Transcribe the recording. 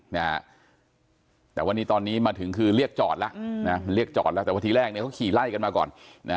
ในตอนนี้มาถึงคือเรียกจอดแต่วันที่แรกเค้าขี่ไล่กันมาก่อน